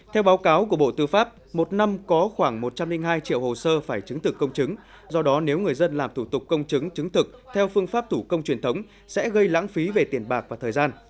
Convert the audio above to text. theo báo cáo của bộ tư pháp một năm có khoảng một trăm linh hai triệu hồ sơ phải chứng thực công chứng do đó nếu người dân làm thủ tục công chứng chứng thực theo phương pháp thủ công truyền thống sẽ gây lãng phí về tiền bạc và thời gian